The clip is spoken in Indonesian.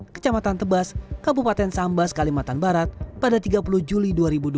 kecamatan tebas kabupaten sambas kalimantan barat pada tiga puluh juli dua ribu dua puluh